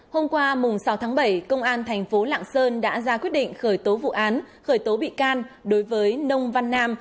hôm qua sáu tháng bảy công an thành phố lạng sơn đã ra quyết định khởi tố vụ án khởi tố bị can đối với nông văn nam